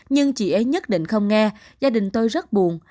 nhưng chị ấy nhất định không nghe gia đình tôi rất buồn